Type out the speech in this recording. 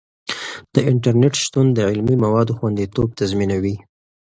د انټرنیټ شتون د علمي موادو خوندیتوب تضمینوي.